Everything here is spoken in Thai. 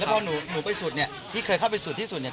พอหนูไปสุดเนี่ยที่เคยเข้าไปสุดที่สุดเนี่ย